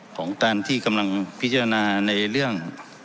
ของการที่กำลังพิจารณาในเรื่อง